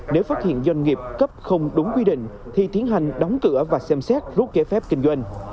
nếu phát hiện doanh nghiệp cấp không đúng quy định thì tiến hành đóng cửa và xem xét rút kế phép kinh doanh